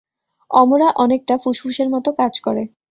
অমরা অনেকটা ফুসফুসের মতো কাজ করে।